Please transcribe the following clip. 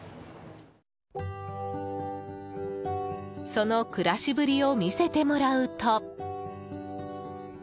その暮らしぶりを見せてもらうと。